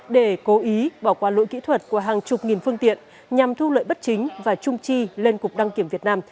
để cố ý bỏ qua lỗi kỹ thuật của hàng chục nghìn phương tiện nhằm thu lợi bất chính và trung chi lên cục đăng kiểm việt nam